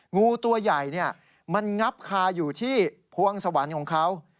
งูตัวใหญ่มันงับคาอยู่ที่พวงสวรรค์ของเขา